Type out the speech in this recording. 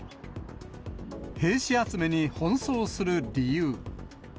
兵士集めに奔走する理由。